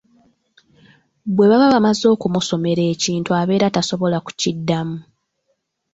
Bwe baba bamaze okumusomera ekintu abeera tasobola kukiddamu.